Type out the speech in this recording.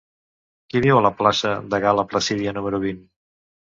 Qui viu a la plaça de Gal·la Placídia número vint?